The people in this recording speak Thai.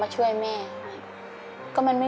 จะออกแล้ว